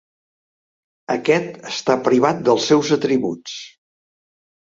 Aquest està privat dels seus atributs.